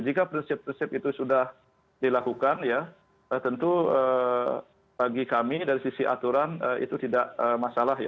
jika prinsip prinsip itu sudah dilakukan ya tentu bagi kami dari sisi aturan itu tidak masalah ya